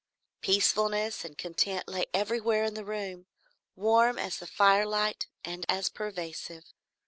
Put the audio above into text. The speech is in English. Peacefulness and content lay everywhere in the room, warm as the firelight and as pervasive.